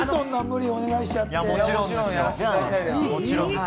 そんな無理、お願いしちゃって。